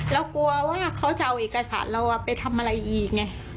เรากลัวว่าเขาจะเอาเอกสารเราไปทำอะไรอีกไง